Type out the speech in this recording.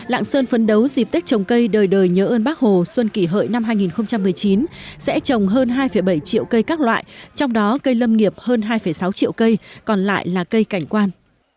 lạng sơn phấn đấu dịp tết trồng cây đời đời nhớ ơn bác hồ xuân kỷ hợi năm hai nghìn một mươi chín sẽ trồng hơn hai bảy triệu cây các loại trong đó cây lâm nghiệp hơn hai sáu triệu cây còn lại là cây cảnh quan